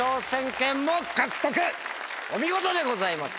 お見事でございます。